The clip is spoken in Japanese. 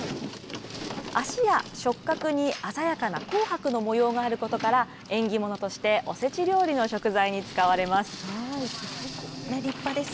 脚や触覚に鮮やかな紅白の模様があることから、縁起物としておせち料理の食材に使われます。